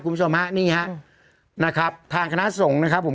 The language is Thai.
คุณผู้ชมฮะนี่ฮะนะครับทางคณะสงฆ์นะครับผม